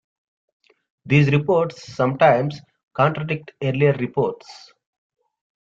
These reports sometimes contradict earlier reports.